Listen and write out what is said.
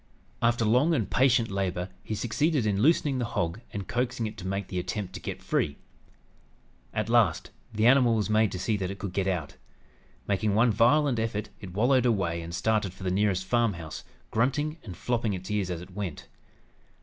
After long and patient labor he succeeded in loosening the hog and coaxing it to make the attempt to get free. At last, the animal was made to see that it could get out. Making one violent effort it wallowed away and started for the nearest farmhouse, grunting and flopping its ears as it went.